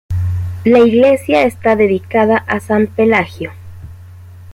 La iglesia está dedicada a san Pelagio.